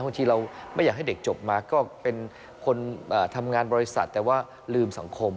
บางทีเราไม่อยากให้เด็กจบมาก็เป็นคนทำงานบริษัทแต่ว่าลืมสังคม